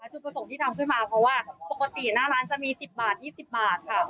จุดประสงค์ที่ทำขึ้นมาเพราะว่าปกติหน้าร้านจะมี๑๐บาท๒๐บาทค่ะ